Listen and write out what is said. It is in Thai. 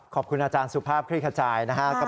ขอบคุณอาจารย์สุภาพคลี่ขจายนะครับ